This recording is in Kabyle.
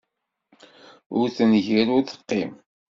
Ur tengir, ur teqqim.